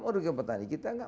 merugikan petani kita enggak